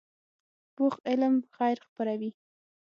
پوخ علم خیر خپروي